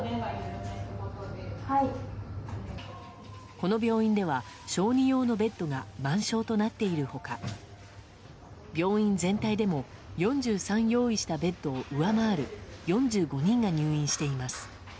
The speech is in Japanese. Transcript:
この病院では小児用のベッドが満床となっている他病院全体でも４３用意したベッドを上回る４５人が入院しています。